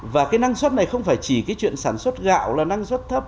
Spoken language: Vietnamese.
và cái năng suất này không phải chỉ cái chuyện sản xuất gạo là năng suất thấp